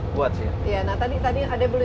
buat sih ya iya tadi ada beli